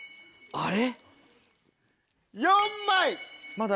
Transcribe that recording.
あれ？